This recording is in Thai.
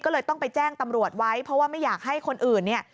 ก็เลยต้องไปแจ้งตำรวจไว้เพราะว่าไม่อยากให้คนอื่นเนี่ย